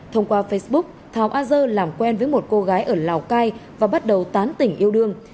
thông qua facebook thảo a dơ làm quen với một cô gái ở lào cai và bắt đầu tán tỉnh yêu đương